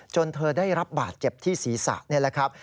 เธอได้รับบาดเจ็บที่ศีรษะนี่แหละครับ